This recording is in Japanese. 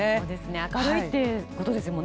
明るいってことですもんね。